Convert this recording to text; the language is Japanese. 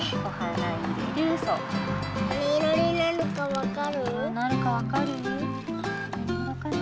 なにいろになるかわかる？